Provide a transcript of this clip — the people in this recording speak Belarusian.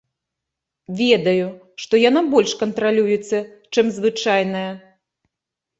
Ведаю, што яна больш кантралюецца, чым звычайная.